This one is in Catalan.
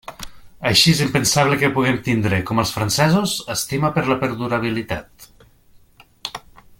Així és impensable que puguem tindre, com els francesos, estima per la perdurabilitat.